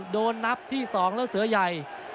โดนนับที่๒แล้วเสือใหญ่